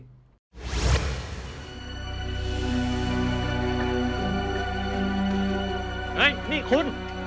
เฮ้ยนี่คุณ